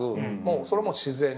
それはもう自然に。